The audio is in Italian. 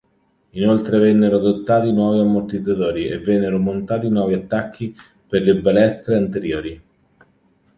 Inoltre, vennero adottati nuovi ammortizzatori e vennero montati nuovi attacchi per le balestre anteriori.